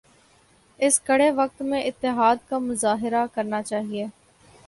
اس کڑے وقت میں اتحاد کا مظاہرہ کرنا چاہئے